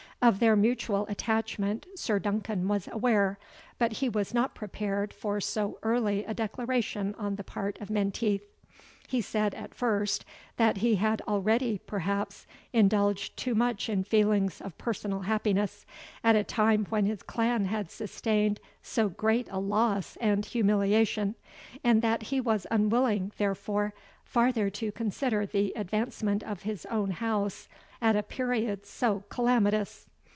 Of their mutual attachment Sir Duncan was aware, but he was not prepared for so early a declaration on the part of Menteith. He said, at first, that he had already, perhaps, indulged too much in feelings of personal happiness, at a time when his clan had sustained so great a loss and humiliation, and that he was unwilling, therefore, farther to consider the advancement of his own house at a period so calamitous.